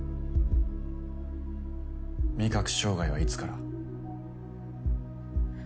味覚障害はいつから？